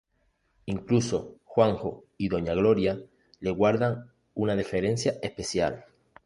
Incluso Juanjo y Doña Gloria le guardan una deferencia especial.